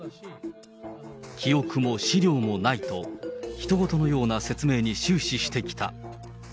記憶も資料もないと、ひと事のような説明に終始してきた。